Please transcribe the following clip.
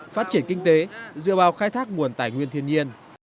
phát triển kinh tế dựa vào khai thác nguồn tài nguyên thiên nhiên